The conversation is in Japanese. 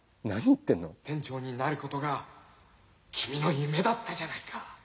店長になることがきみのゆめだったじゃないか。